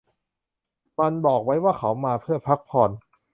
มันบอกไว้ว่าเขามาเพื่อพักผ่อน